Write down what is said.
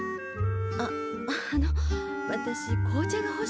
あっあの私紅茶がほしくて。